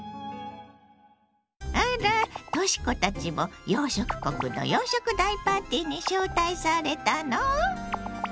あらとし子たちも洋食国の洋食大パーティーに招待されたの？